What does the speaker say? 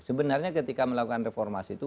sebenarnya ketika melakukan reformasi itu